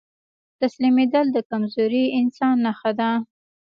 تسليمېدل د کمزوري انسان نښه ده.